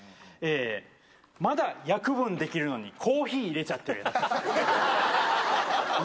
まだ約分できるのにコーヒーいれちゃってるやつ。